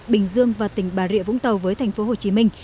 bình dương và tỉnh bà rịa vũng tàu với thành phố hồ chí minh